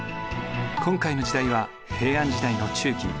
今回の時代は平安時代の中期。